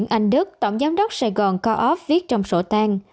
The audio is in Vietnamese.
nguyễn anh đức tổng giám đốc sài gòn co op viết trong sổ tang